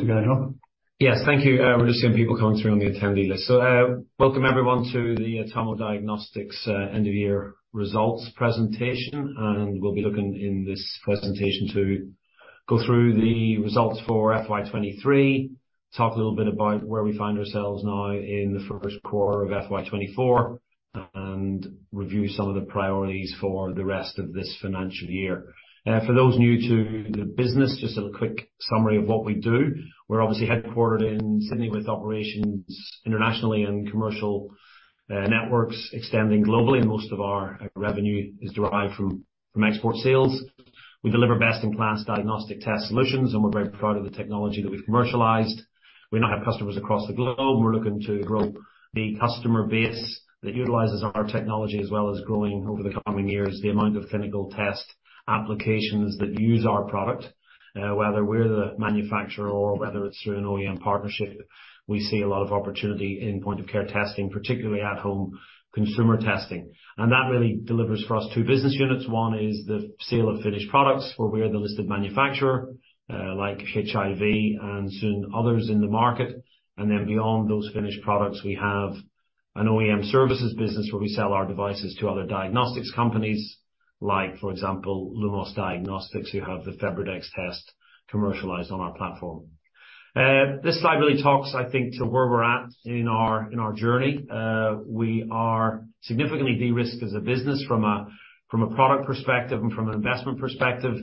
You ready to get going, John? Yes, thank you. We're just seeing people coming through on the attendee list. Welcome everyone to the Atomo Diagnostics end of year results presentation, and we'll be looking in this presentation to go through the results for FY23, talk a little bit about where we find ourselves now in the 1st quarter of FY24, and review some of the priorities for the rest of this financial year. For those new to the business, just a quick summary of what we do. We're obviously headquartered in Sydney, with operations internationally and commercial networks extending globally, and most of our revenue is derived from, from export sales. We deliver best-in-class diagnostic test solutions, and we're very proud of the technology that we've commercialized. We now have customers across the globe. We're looking to grow the customer base that utilizes our technology, as well as growing over the coming years, the amount of clinical test applications that use our product, whether we're the manufacturer or whether it's through an OEM partnership, we see a lot of opportunity in point-of-care testing, particularly at-home consumer testing. That really delivers for us two business units. One is the sale of finished products, where we are the listed manufacturer, like HIV and soon others in the market. Then beyond those finished products, we have an OEM services business, where we sell our devices to other diagnostics companies like, for example, Lumos Diagnostics, who have the FebriDx test commercialized on our platform. This slide really talks, I think, to where we're at in our, in our journey. We are significantly de-risked as a business from a, from a product perspective and from an investment perspective.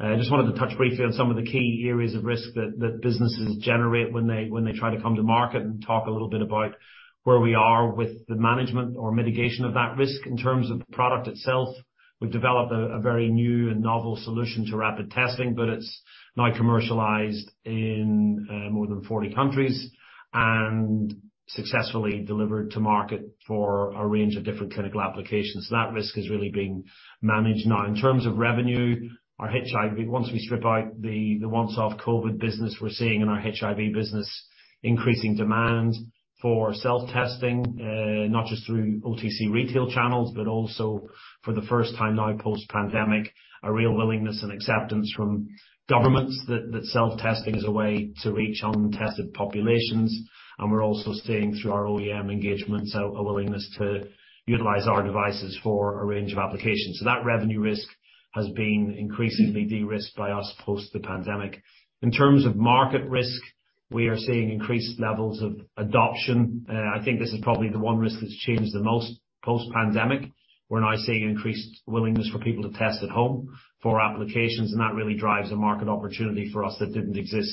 I just wanted to touch briefly on some of the key areas of risk that, that businesses generate when they, when they try to come to market, and talk a little bit about where we are with the management or mitigation of that risk. In terms of the product itself, we've developed a, a very new and novel solution to rapid testing, but it's now commercialized in more than 40 countries and successfully delivered to market for a range of different clinical applications. That risk is really being managed now. In terms of revenue, our HIV once we strip out the one-off COVID business, we're seeing in our HIV business, increasing demand for self-testing, not just through OTC retail channels, but also, for the first time now, post-pandemic, a real willingness and acceptance from governments that, that self-testing is a way to reach untested populations. We're also seeing, through our OEM engagements, a willingness to utilize our devices for a range of applications. That revenue risk has been increasingly de-risked by us post the pandemic. In terms of market risk, we are seeing increased levels of adoption. I think this is probably the one risk that's changed the most post-pandemic. We're now seeing increased willingness for people to test at home for applications, and that really drives a market opportunity for us that didn't exist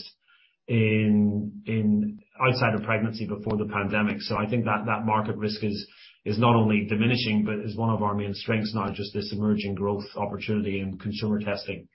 in outside of pregnancy before the pandemic. I think that that market risk is, is not only diminishing, but is one of our main strengths, not just this emerging growth opportunity in consumer testing.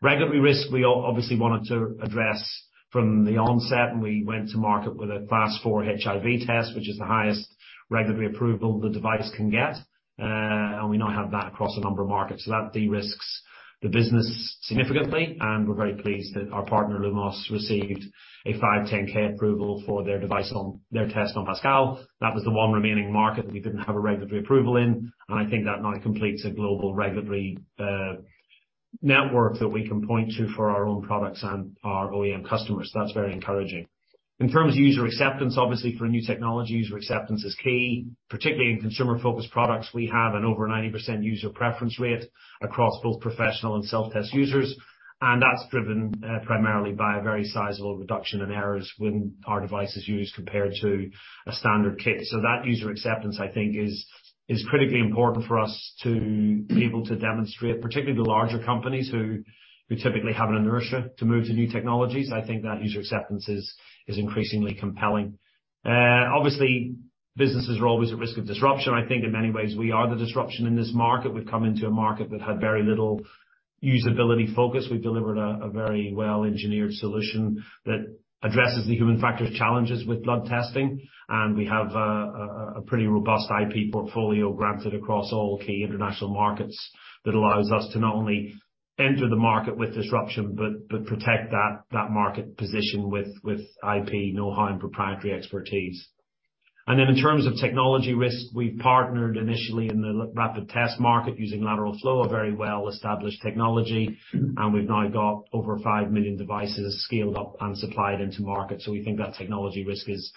Regulatory risk, we obviously wanted to address from the onset, and we went to market with a Class four HIV test, which is the highest regulatory approval the device can get. And we now have that across a number of markets. That de-risks the business significantly, and we're very pleased that our partner, Lumos, received a 510(k) approval for their device, their test on Pascal. That was the one remaining market that we didn't have a regulatory approval in, and I think that now completes a global regulatory network that we can point to for our own products and our OEM customers. That's very encouraging. In terms of user acceptance, obviously for a new technology, user acceptance is key, particularly in consumer-focused products. We have an over 90% user preference rate across both professional and self-test users, and that's driven primarily by a very sizable reduction in errors when our device is used compared to a standard kit. That user acceptance, I think, is critically important for us to be able to demonstrate, particularly to larger companies who, who typically have an inertia to move to new technologies. I think that user acceptance is increasingly compelling. Obviously, businesses are always at risk of disruption. I think in many ways we are the disruption in this market. We've come into a market that had very little usability focus. We've delivered a very well-engineered solution that addresses the human factor challenges with blood testing, we have a pretty robust IP portfolio granted across all key international markets that allows us to not only enter the market with disruption, but protect that market position with IP, know-how, and proprietary expertise. Then in terms of technology risk, we've partnered initially in the rapid test market using lateral flow, a very well-established technology, and we've now got over five million devices scaled up and supplied into market. We think that technology risk is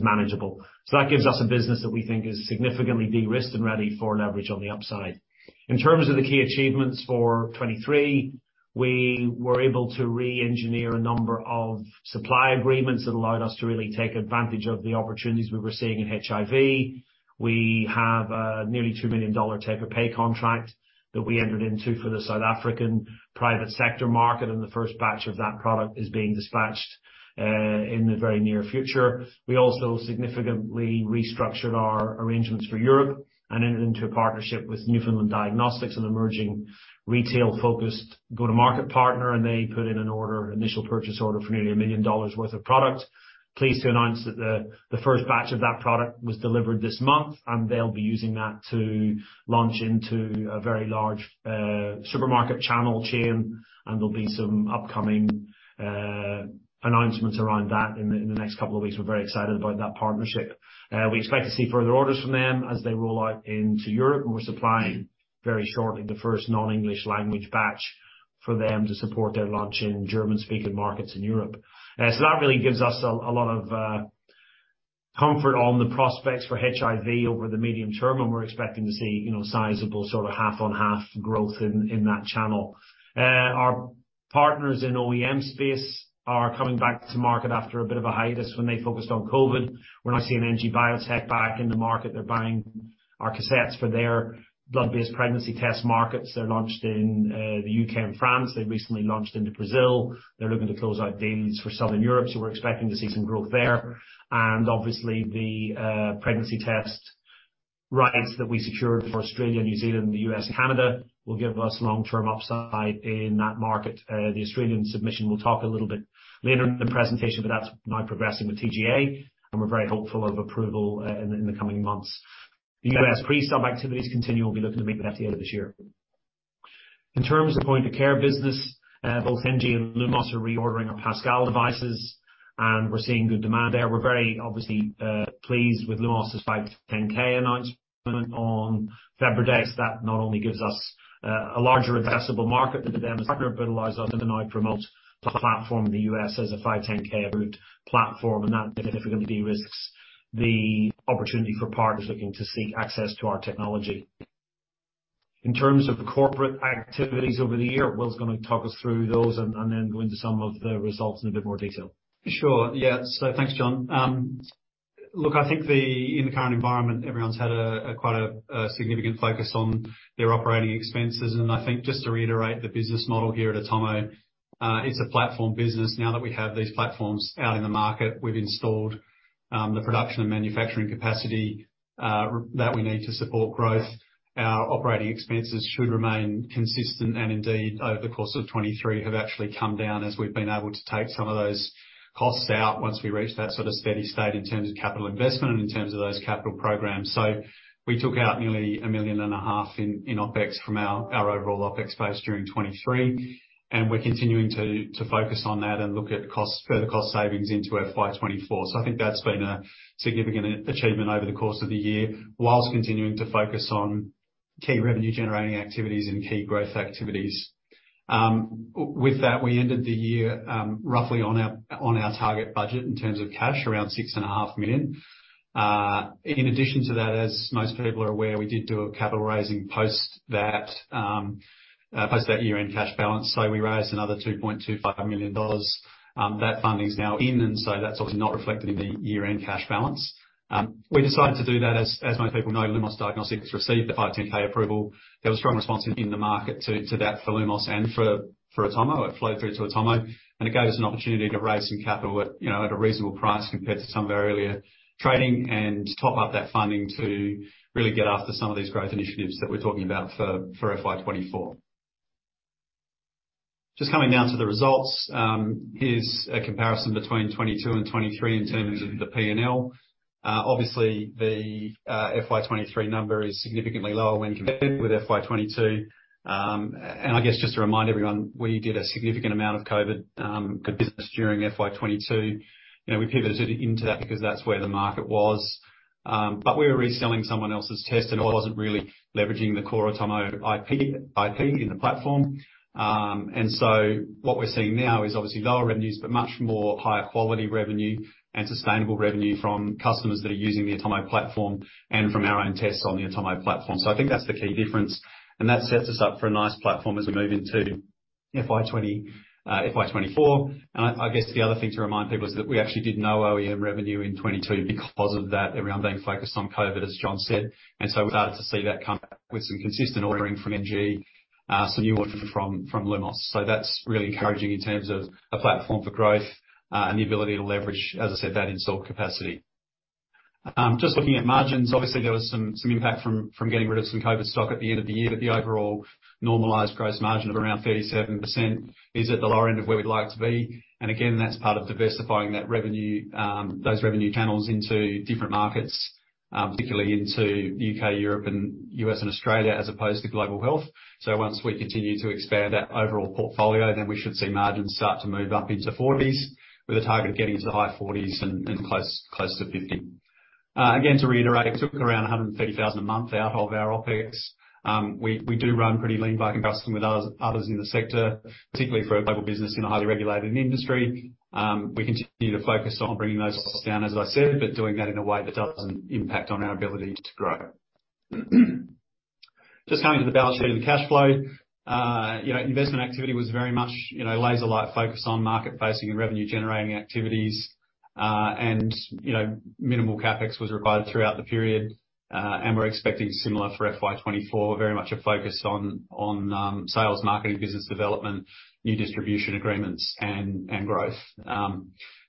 manageable. That gives us a business that we think is significantly de-risked and ready for leverage on the upside. In terms of the key achievements for 2023, we were able to re-engineer a number of supply agreements that allowed us to really take advantage of the opportunities we were seeing in HIV. We have nearly 2 million dollar take-or-pay contract that we entered into for the South African private sector market, and the first batch of that product is being dispatched in the very near future. We also significantly restructured our arrangements for Europe and entered into a partnership with Newfoundland Diagnostics, an emerging retail-focused go-to-market partner. They put in an order, initial purchase order, for nearly 1 million dollars worth of product. Pleased to announce that the, the 1st batch of that product was delivered this month. They'll be using that to launch into a very large supermarket channel chain, and there'll be some upcoming announcements around that in the, in the next two weeks. We're very excited about that partnership. We expect to see further orders from them as they roll out into Europe. Very shortly, the 1st non-English language batch for them to support their launch in German-speaking markets in Europe. That really gives us a lot of comfort on the prospects for HIV over the medium term. We're expecting to see, you know, sizable sort of half on half growth in that channel. Our partners in OEM space are coming back to market after a bit of a hiatus when they focused on COVID. We're now seeing NG Biotech back in the market. They're buying our cassettes for their blood-based pregnancy test markets. They're launched in the UK and France. They recently launched into Brazil. They're looking to close out deals for Southern Europe, so we're expecting to see some growth there. Obviously, the pregnancy test rights that we secured for Australia, New Zealand, and the US, Canada, will give us long-term upside in that market. The Australian submission, we'll talk a little bit later in the presentation, but that's now progressing with TGA, and we're very hopeful of approval in the coming months. The US Pre-Sub activities continue, and we'll be looking to meet with the FDA this year. In terms of point-of-care business, both NG and Lumos are reordering our Pascal devices, and we're seeing good demand there. We're very obviously pleased with Lumos' 510(k) announcement on FebriDx. That not only gives us a larger addressable market, but it then capitalizes us and now promotes the platform in the US as a 510(k) route platform, and that significantly de-risks the opportunity for partners looking to seek access to our technology. In terms of the corporate activities over the year, Will's gonna talk us through those and, and then go into some of the results in a bit more detail. Sure. Yeah, so thanks, John. Look, I think in the current environment, everyone's had quite a significant focus on their operating expenses. I think just to reiterate the business model here at Atomo, it's a platform business. Now that we have these platforms out in the market, we've installed the production and manufacturing capacity that we need to support growth. Our operating expenses should remain consistent, and indeed, over the course of 2023, have actually come down as we've been able to take some of those costs out once we reached that sort of steady state in terms of capital investment and in terms of those capital programs. We took out nearly 1.5 million in OpEx from our, our overall OpEx base during 2023, and we're continuing to, to focus on that and look at costs, further cost savings into FY24. I think that's been a significant achievement over the course of the year, whilst continuing to focus on key revenue generating activities and key growth activities. With that, we ended the year, roughly on our, on our target budget in terms of cash, around 6.5 million. In addition to that, as most people are aware, we did do a capital raising post that, post that year-end cash balance, so we raised another 2.25 million dollars. That funding is now in, and so that's obviously not reflected in the year-end cash balance. We decided to do that, as, as most people know, Lumos Diagnostics received the 510(k) approval. There was strong response in the market to that for Lumos and for Atomo. It flowed through to Atomo, it gave us an opportunity to raise some capital at, you know, at a reasonable price compared to some of our earlier trading, and top up that funding to really get after some of these growth initiatives that we're talking about for FY24. Just coming down to the results, here's a comparison between 2022 and 2023 in terms of the P&L. Obviously, the FY23 number is significantly lower when compared with FY22. I guess just to remind everyone, we did a significant amount of COVID business during FY22. You know, we pivoted into that because that's where the market was. But we were reselling someone else's test, and it wasn't really leveraging the core Atomo IP, IP in the platform. What we're seeing now is obviously lower revenues, but much more higher quality revenue and sustainable revenue from customers that are using the Atomo platform and from our own tests on the Atomo platform. I think that's the key difference, and that sets us up for a nice platform as we move into FY 2024. I, I guess the other thing to remind people is that we actually did no OEM revenue in 2022 because of that everyone being focused on COVID, as John said. We're starting to see that come back with some consistent ordering from NG, some new ordering from, from Lumos. That's really encouraging in terms of a platform for growth, and the ability to leverage, as I said, that installed capacity. Just looking at margins, obviously, there was some, some impact from, from getting rid of some COVID stock at the end of the year, but the overall normalized gross margin of around 37% is at the lower end of where we'd like to be. Again, that's part of diversifying that revenue, those revenue channels into different markets, particularly into U.K., Europe, and U.S., and Australia, as opposed to global health. Once we continue to expand that overall portfolio, then we should see margins start to move up into 40s, with a target of getting into the high 40s and, and close, close to 50. Again, to reiterate, it took around 130,000 a month out of our OpEx. We, we do run pretty lean by comparison with others, others in the sector, particularly for a global business in a highly regulated industry. We continue to focus on bringing those costs down, as I said, but doing that in a way that doesn't impact on our ability to grow. Just coming to the balance sheet and the cash flow. You know, investment activity was very much, you know, laser-like focused on market-facing and revenue-generating activities. And, you know, minimal CapEx was required throughout the period, and we're expecting similar for FY 2024. Very much a focus on, on, sales, marketing, business development, new distribution agreements, and, and growth.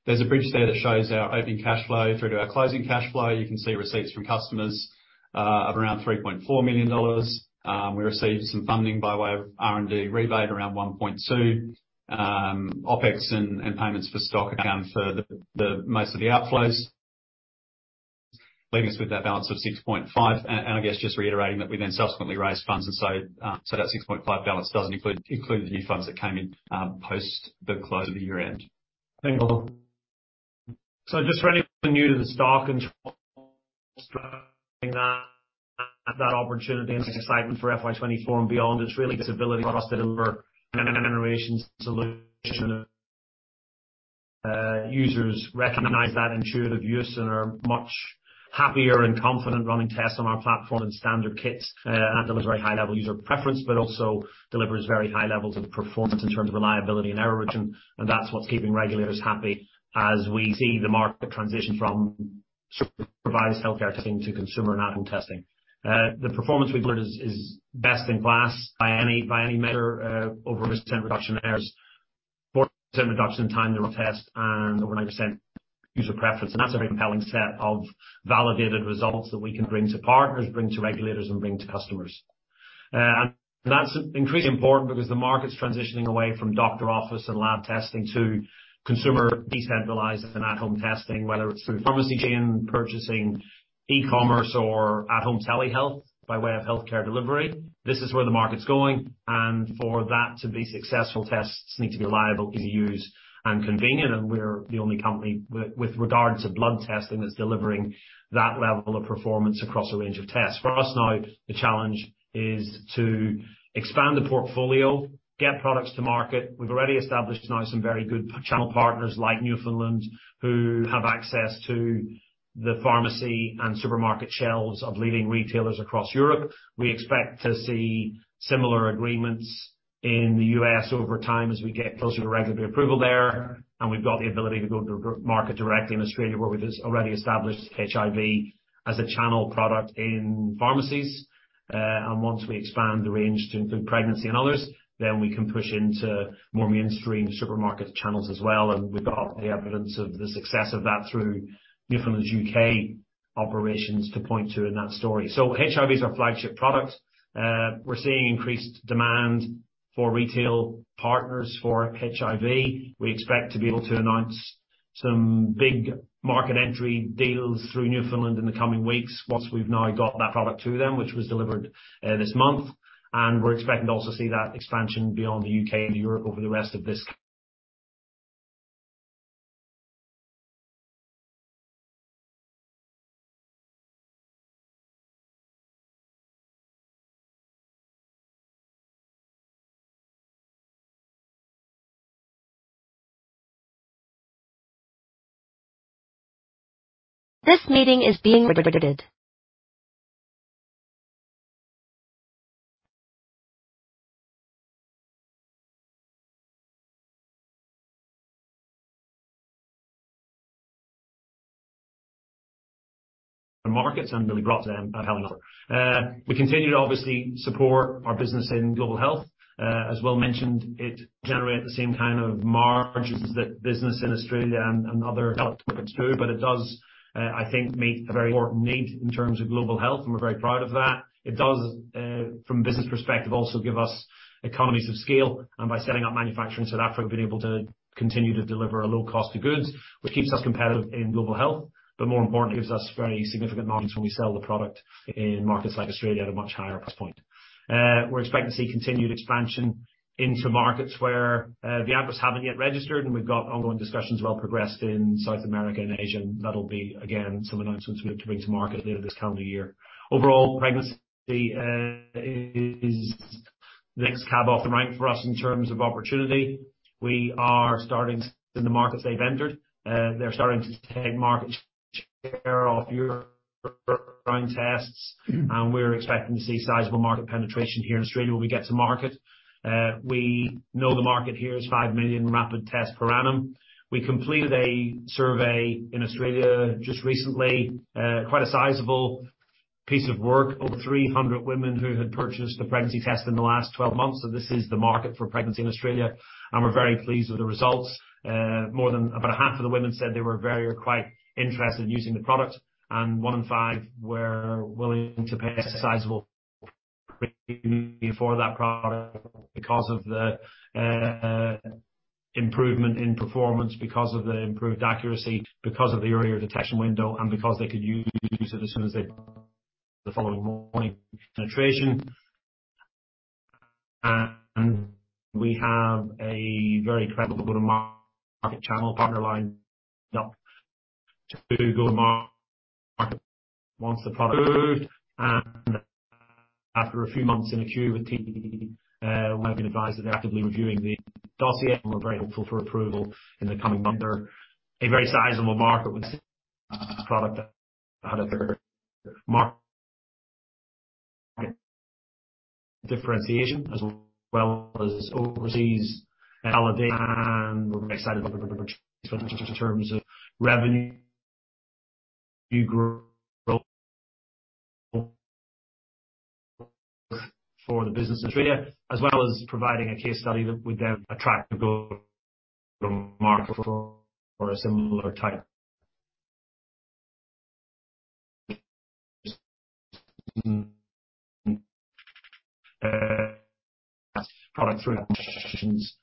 There's a bridge there that shows our opening cash flow through to our closing cash flow. You can see receipts from customers of around $3.4 million. We received some funding by way of R&D rebate, around $1.2 million. OpEx and payments for stock account for the most of the outflows, leaving us with that balance of $6.5 million. I guess just reiterating that we then subsequently raised funds, so that $6.5 million balance doesn't include the new funds that came in post the close of the year-end. Just for anyone new to the stock and that opportunity and excitement for FY24 and beyond, it's really this ability for us to deliver next-generations solution. Users recognize that intuitive use and are much happier and confident running tests on our platform and standard kits and delivers very high level user preference, but also delivers very high levels of performance in terms of reliability and error rate, and that's what's keeping regulators happy as we see the market transition from provided healthcare team to consumer and at-home testing. The performance we've delivered is best in class by any, by any measure, over % reduction errors, % reduction in time to test, and over 9% user preference. That's a compelling set of validated results that we can bring to partners, bring to regulators, and bring to customers. That's increasingly important because the market's transitioning away from doctor office and lab testing to consumer decentralized and at-home testing, whether it's through pharmacy chain purchasing, e-commerce, or at-home telehealth, by way of healthcare delivery. This is where the market's going, for that to be successful, tests need to be reliable, easy to use, and convenient, and we're the only company with regard to blood testing, that's delivering that level of performance across a range of tests. For us now, the challenge is to expand the portfolio, get products to market. We've already established now some very good channel partners like Newfoundland, who have access to the pharmacy and supermarket shelves of leading retailers across Europe. We expect to see similar agreements in the US over time as we get closer to regulatory approval there, and we've got the ability to go to market directly in Australia, where we've just already established HIV as a channel product in pharmacies. And once we expand the range to include pregnancy and others, then we can push into more mainstream supermarket channels as well, and we've got the evidence of the success of that through Newfoundland's UK operations to point to in that story. HIV is our flagship product. We're seeing increased demand for retail partners for HIV. We expect to be able to announce some big market entry deals through Newfoundland in the coming weeks, once we've now got that product to them, which was delivered this month. We're expecting to also see that expansion beyond the UK and Europe over the rest of this. This meeting is being recorded. Markets and really brought to them at home and other. We continue to obviously support our business in global health. As Will mentioned, it generate the same kind of margins that business in Australia and other developed markets do, but it does, I think, meet a very important need in terms of global health, and we're very proud of that. It does, from a business perspective, also give us economies of scale, and by setting up manufacturing in South Africa, we've been able to continue to deliver a low cost of goods, which keeps us competitive in global health, but more importantly, gives us very significant margins when we sell the product in markets like Australia at a much higher price point. We're expecting to see continued expansion into markets where Atomo haven't yet registered. We've got ongoing discussions well progressed in South America and Asia. That'll be, again, some announcements we have to bring to market later this calendar year. Overall, pregnancy is the next cab off the rank for us in terms of opportunity. We are starting in the markets they've entered. They're starting to take market share off urine tests. We're expecting to see sizable market penetration here in Australia when we get to market. We know the market here is 5 million rapid tests per annum. We completed a survey in Australia just recently, quite a sizable piece of work, over 300 women who had purchased a pregnancy test in the last 12 months. This is the market for pregnancy in Australia, and we're very pleased with the results. More than about a half of the women said they were very quite interested in using the product, and one in five were willing to pay a sizable premium for that product because of the improvement in performance, because of the improved accuracy, because of the earlier detection window, and because they could use it as soon as they the following morning. Penetration. We have a very credible go-to-market channel partner line up to go to market once the product, and after a few months in a queue with TGA, we've been advised they're actively reviewing the dossier, and we're very hopeful for approval in the coming month. They're a very sizable market with product out of the market. Differentiation as well as overseas validation, we're excited in terms of revenue growth for the business in Australia, as well as providing a case study that would then attract to go to market for a similar type. product through options.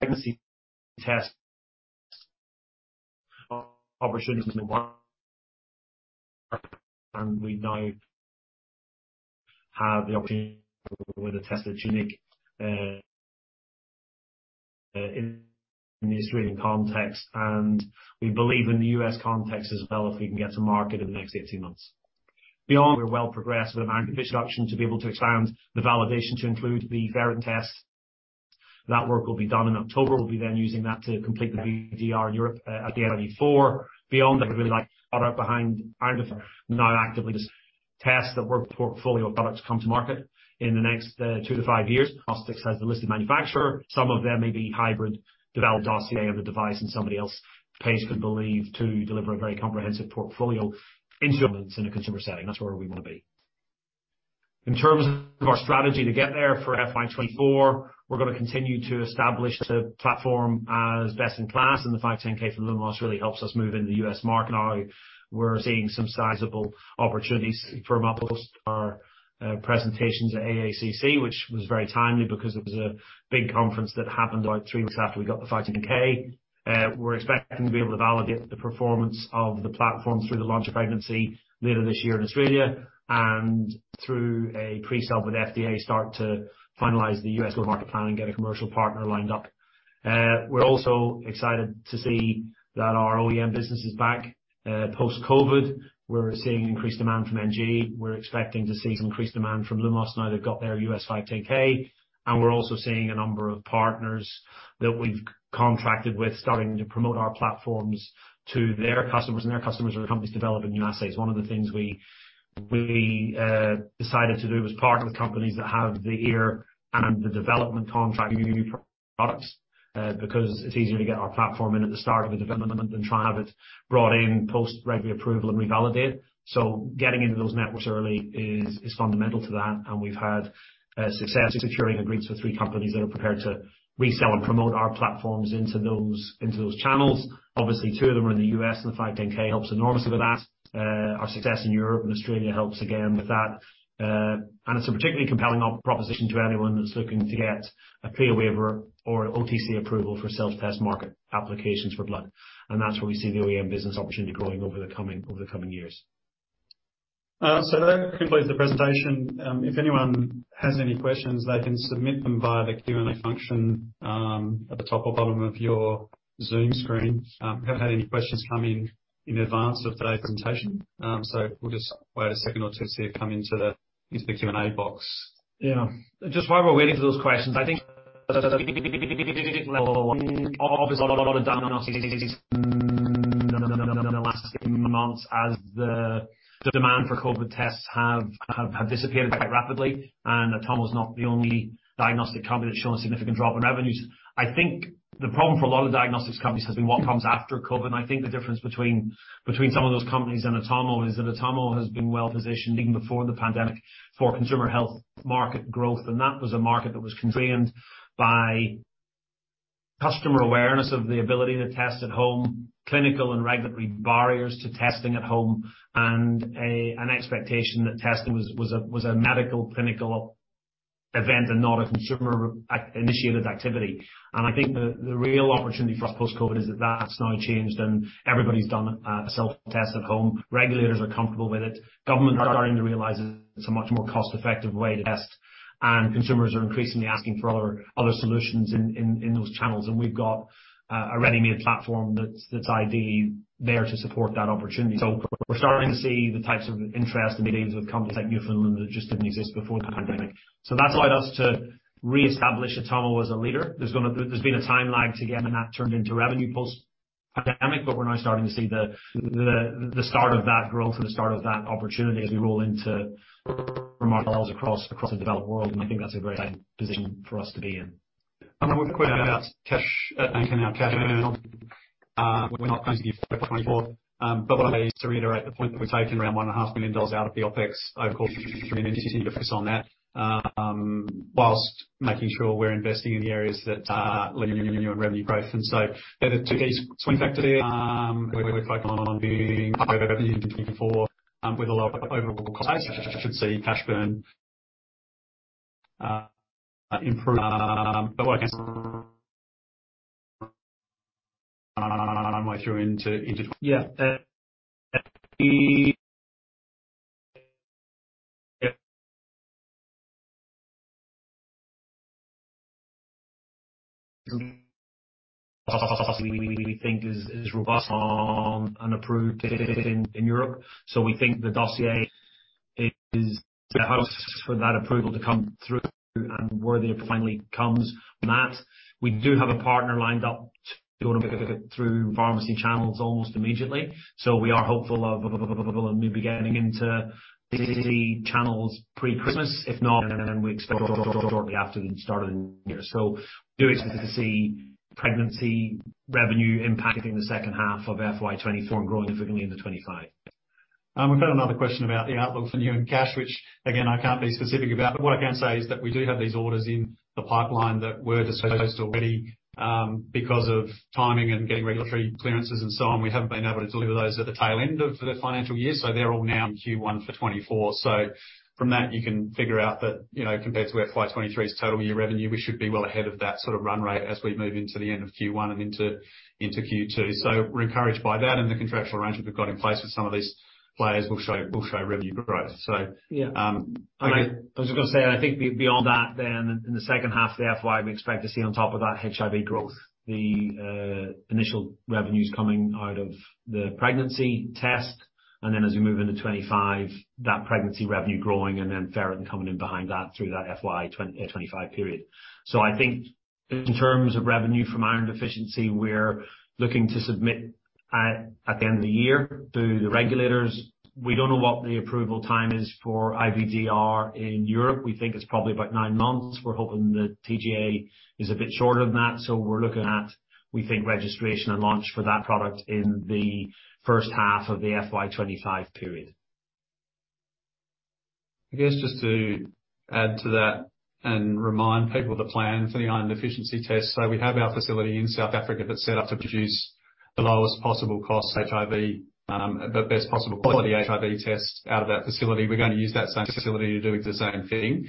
pregnancy test opportunities in the world, we now have the opportunity with a test that's unique in the Australian context, and we believe in the US context as well, if we can get to market in the next 18 months. Beyond, we're well progressed with amount of production to be able to expand the validation to include the ferritin test. That work will be done in October. We'll be then using that to complete the IVDR Europe at the end of Q4. Beyond that, we'd really like to get behind our now actively test the work portfolio of products come to market in the next two to five years. Atomo as the listed manufacturer. Some of them may be hybrid, developed dossier of the device, and somebody else pays, we believe, to deliver a very comprehensive portfolio into in a consumer setting. That's where we want to be. In terms of our strategy to get there for FY24, we're gonna continue to establish the platform as best in class, and the 510(k) for Lumos really helps us move in the U.S. market. Now, we're seeing some sizable opportunities from across our presentations at AACC, which was very timely because it was a big conference that happened, like, three weeks after we got the 510(k). We're expecting to be able to validate the performance of the platform through the launch of pregnancy later this year in Australia and through a Pre-Sub with FDA, start to finalize the US go-to-market plan and get a commercial partner lined up. We're also excited to see that our OEM business is back, post-COVID. We're seeing increased demand from NG. We're expecting to see increased demand from Lumos now they've got their US 510(k). We're also seeing a number of partners that we've contracted with, starting to promote our platforms to their customers, and their customers are companies developing new assays. One of the things we, we decided to do was partner with companies that have the ear and the development contract new products, because it's easier to get our platform in at the start of a development than try and have it brought in post-regulatory approval and revalidate. So getting into those networks early is, is fundamental to that, and we've had success in securing agreements with 3 companies that are prepared to resell and promote our platforms into those, into those channels. Obviously, 2 of them are in the US, and the 510(k) helps enormously with that. Our success in Europe and Australia helps again with that. And it's a particularly compelling proposition to anyone that's looking to get a CLIA waiver or an OTC approval for self-test market applications for blood. That's where we see the OEM business opportunity growing over the coming, over the coming years. That concludes the presentation. If anyone has any questions, they can submit them via the Q&A function, at the top or bottom of your Zoom screen. We haven't had any questions come in in advance of today's presentation, so we'll just wait a second or two to see it come into the, into the Q&A box. Yeah. Just while we're waiting for those questions, I think in the last few months as the, the demand for COVID tests have disappeared quite rapidly, Atomo is not the only diagnostic company that's shown a significant drop in revenues. I think the problem for a lot of diagnostics companies has been what comes after COVID, I think the difference between some of those companies and Atomo is that Atomo has been well-positioned even before the pandemic for consumer health market growth. That was a market that was constrained by customer awareness of the ability to test at home, clinical and regulatory barriers to testing at home, and an expectation that testing was, was a, was a medical clinical event and not a consumer initiated activity. I think the, the real opportunity for us post-COVID is that that's now changed and everybody's done a, a self-test at home. Regulators are comfortable with it. Governments are starting to realize it's a much more cost-effective way to test, and consumers are increasingly asking for other, other solutions in, in, in those channels. We've got a, a ready-made platform that's, that's ideally there to support that opportunity. We're starting to see the types of interest and meetings with companies like Newfoundland that just didn't exist before the pandemic. That's allowed us to reestablish Atomo as a leader. There's been a time lag to getting that turned into revenue post-pandemic. We're now starting to see the start of that growth and the start of that opportunity as we roll into across the developed world. I think that's a great position for us to be in. I'm gonna quick about cash, and our cash. We're not going to give 2024, but just to reiterate the point that we're taking around 1.5 million dollars out of the OpEx, over the course of the year, and we continue to focus on that, whilst making sure we're investing in the areas that are leading new revenue growth. They're the two key swing factors there, where we're focused on being revenue 2024, with a low overall cost, should see cash burn, improve, but I guess-... way through into, into- Yeah. Yeah. We think is, is robust, and approved in, in Europe. We think the dossier is a house for that approval to come through and where it finally comes from that. We do have a partner lined up to go through pharmacy channels almost immediately. We are hopeful maybe getting into the channels pre-Christmas. If not, then we expect shortly after the start of the new year. Do expect to see pregnancy revenue impacting the second half of FY 2024 and growing significantly into 2025.... We've had another question about the outlook for revenue and cash, which again, I can't be specific about, but what I can say is that we do have these orders in the pipeline that were disclosed already. Because of timing and getting regulatory clearances and so on, we haven't been able to deliver those at the tail end of the financial year, so they're all now in Q1 for 2024. From that, you can figure out that, you know, compared to FY23's total year revenue, we should be well ahead of that sort of run rate as we move into the end of Q1 and into Q2. We're encouraged by that, and the contractual arrangements we've got in place with some of these players will show revenue growth. Yeah. Um, and I- I was just gonna say, I think beyond that then, in the second half of the FY, we expect to see on top of that HIV growth, the initial revenues coming out of the pregnancy test, and then as we move into 2025, that pregnancy revenue growing and then ferritin coming in behind that through that FY2025 period. I think in terms of revenue from iron deficiency, we're looking to submit at the end of the year to the regulators. We don't know what the approval time is for IVDR in Europe. We think it's probably about 9 months. We're hoping the TGA is a bit shorter than that, so we're looking at, we think, registration and launch for that product in the first half of the FY2025 period. I guess, just to add to that and remind people of the plan for the iron deficiency test. We have our facility in South Africa that's set up to produce the lowest possible cost HIV, the best possible quality HIV test out of that facility. We're going to use that same facility to do the same thing,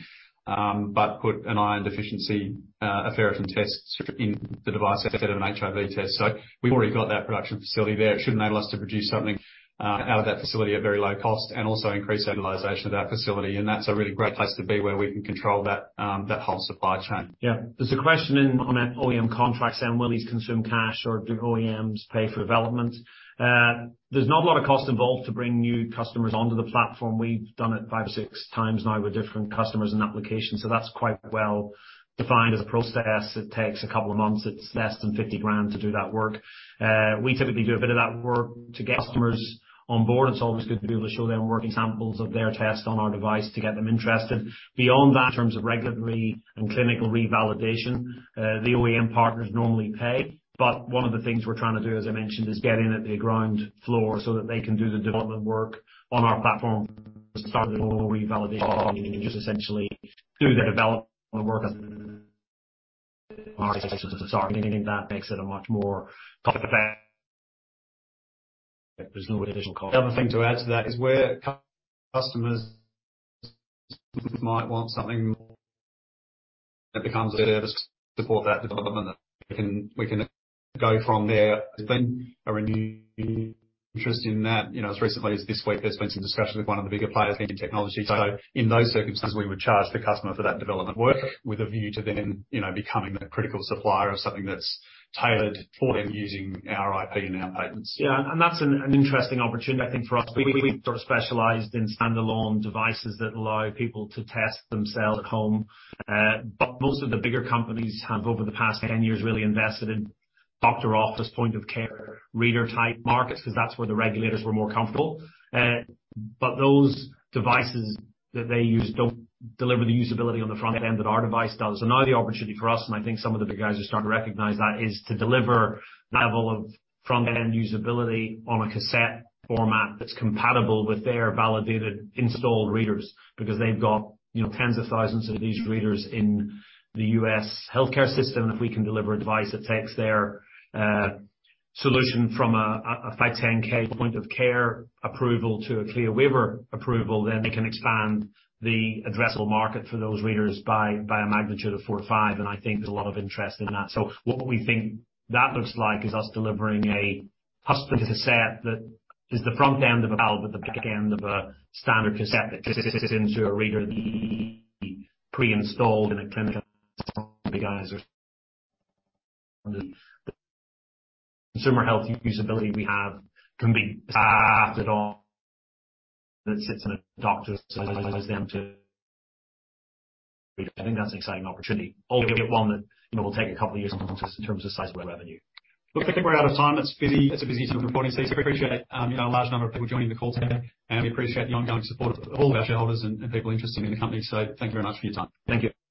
but put an iron deficiency, a ferritin test in the device instead of an HIV test. We've already got that production facility there. It should enable us to produce something out of that facility at very low cost and also increase utilization of that facility, and that's a really great place to be, where we can control that, that whole supply chain. Yeah. There's a question in on OEM contracts, and will these consume cash or do OEMs pay for development? There's not a lot of cost involved to bring new customers onto the platform. We've done it 5 or 6 times now with different customers and applications, so that's quite well defined as a process. It takes a couple of months. It's less than 50,000 to do that work. We typically do a bit of that work to get customers on board. It's always good to be able to show them working samples of their test on our device to get them interested. Beyond that, in terms of regulatory and clinical revalidation, the OEM partners normally pay, but one of the things we're trying to do, as I mentioned, is get in at the ground floor so that they can do the development work on our platform and just essentially do the development work. That makes it a much more there's no additional cost. The other thing to add to that is where customers might want something more, it becomes service to support that development. We can, we can go from there. There's been a renewed interest in that. You know, as recently as this week, there's been some discussions with one of the bigger players in technology. In those circumstances, we would charge the customer for that development work with a view to then, you know, becoming a critical supplier of something that's tailored for them using our IP and our patents. Yeah, that's an interesting opportunity, I think, for us. We've sort of specialized in standalone devices that allow people to test themselves at home, but most of the bigger companies have, over the past 10 years, really invested in doctor office, point-of-care, reader-type markets, 'cause that's where the regulators were more comfortable. But those devices that they use don't deliver the usability on the front end that our device does. Now the opportunity for us, and I think some of the big guys are starting to recognize that, is to deliver level of front-end usability on a cassette format that's compatible with their validated installed readers, because they've got, you know, tens of thousands of these readers in the US healthcare system. If we can deliver a device that takes their solution from a 510(k) point-of-care approval to a CLIA waiver approval, then they can expand the addressable market for those readers by, by a magnitude of four or five, and I think there's a lot of interest in that. What we think that looks like is us delivering a cassette that is the front end of a valve at the back end of a standard cassette that fits into a reader, pre-installed in a clinical guise. Consumer health usability we have can be that sits in a doctor's. I think that's an exciting opportunity. Although one that, you know, will take two years in terms of sizable revenue. Look, I think we're out of time. It's busy, it's a busy reporting season. I appreciate, you know, a large number of people joining the call today, and we appreciate the ongoing support of all our shareholders and, and people interested in the company. Thank you very much for your time. Thank you.